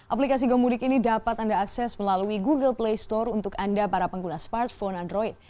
aplikasi gomudik ini dapat anda akses melalui google play store untuk anda para pengguna smartphone android